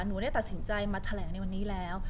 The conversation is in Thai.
หนูได้ตัดสินใจมาแถลงในวันนี้แล้ว